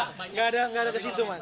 gak ada gak ada kesitu mas